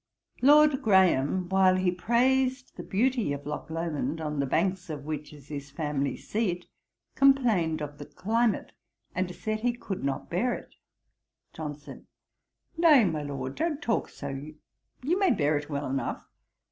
Lord Graham, while he praised the beauty of Lochlomond, on the banks of which is his family seat, complained of the climate, and said he could not bear it. JOHNSON. 'Nay, my Lord, don't talk so: you may bear it well enough.